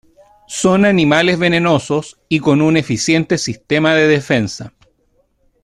Son animales venenosos y con un eficiente sistema de defensa.